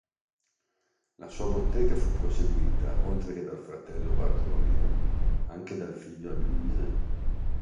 La sua bottega fu proseguita, oltre che dal fratello Bartolomeo, anche dal figlio Alvise.